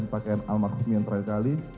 pakaian al masrum yang terakhir kali